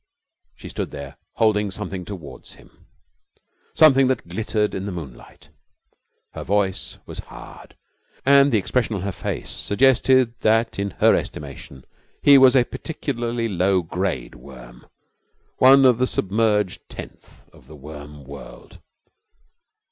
She stood there, holding something towards him, something that glittered in the moonlight. Her voice was hard, and the expression on her face suggested that in her estimation he was a particularly low grade worm, one of the submerged tenth of the worm world.